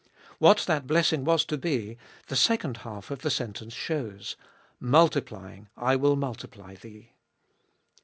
What that blessing was to be, the second half of the sentence shows, Multiplying I will multiply thee.